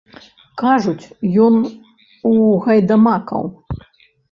Кажуць, ён у гайдамакаў!